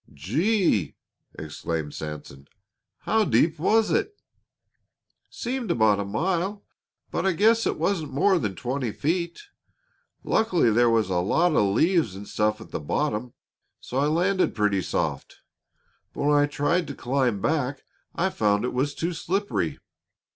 "Gee!" exclaimed Sanson. "How deep was it?" "Seemed about a mile; but I guess it wasn't more than twenty feet. Luckily there was a lot of leaves and stuff at the bottom, so I landed pretty soft. But when I tried to climb back I found it was too slippery.